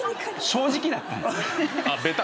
正直だったんだ。